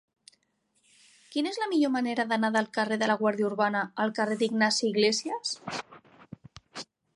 Quina és la millor manera d'anar del carrer de la Guàrdia Urbana al carrer d'Ignasi Iglésias?